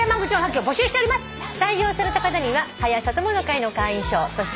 採用された方には「はや朝友の会」の会員証そして。